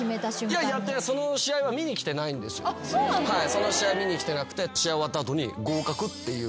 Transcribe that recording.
その試合見に来てなくて試合終わった後に。